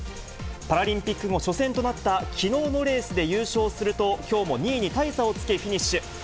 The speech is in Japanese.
パラリンピック後、初戦となったきのうのレースで優勝すると、きょうも２位に大差をつけ、フィニッシュ。